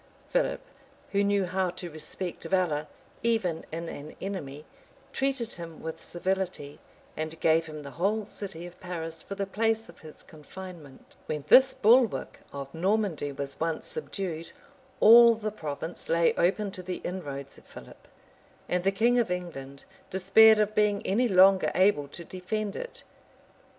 [*] Philip, who knew how to respect valor, even in an enemy, treated him with civility, and gave him the whole city of Paris for the place of his confinement. [* Trivet p. 144. Gul. Britto, lib. vii. Ann. Waverl, p. 168.] When this bulwark of Normandy was once subdued, all the province lay open to the inroads of Philip; and the king of England despaired of being any longer able to defend it.